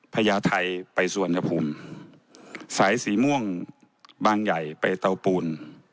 พญาไทยไปสุวรรณภูมิสายสีม่วงบางใหญ่ไปเตาปูน